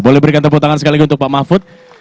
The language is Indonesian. boleh berikan tepuk tangan sekali lagi untuk pak mahfud